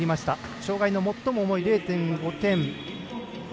障害の最も重い０．５点。